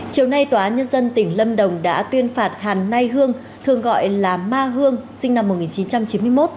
chiều nay tòa nhân dân tỉnh lâm đồng đã tuyên phạt hàn nay hương thường gọi là ma hương sinh năm một nghìn chín trăm chín mươi một